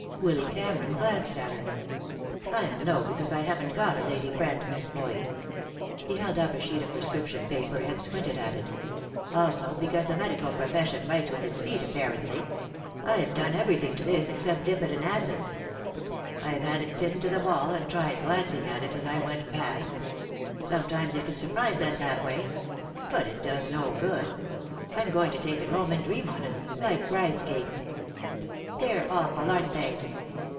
Willy Cameron glanced at her. "I'm low because I haven't got a lady friend, Miss Boyd." He held up a sheet of prescription paper and squinted at it. "Also because the medical profession writes with its feet, apparently. I've done everything to this but dip it in acid. I've had it pinned to the wall, and tried glancing at it as I went past. Sometimes you can surprise them that way. But it does no good. I'm going to take it home and dream on it, like bride's cake." "They're awful, aren't they?"